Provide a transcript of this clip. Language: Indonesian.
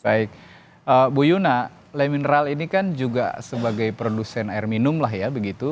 baik bu yuna le mineral ini kan juga sebagai produsen air minum lah ya begitu